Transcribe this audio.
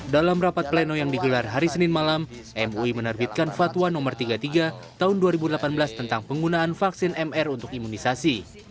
dalam rapat pleno yang digelar hari senin malam mui menerbitkan fatwa no tiga puluh tiga tahun dua ribu delapan belas tentang penggunaan vaksin mr untuk imunisasi